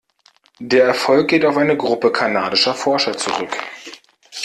Der Erfolg geht auf eine Gruppe kanadischer Forscher zurück.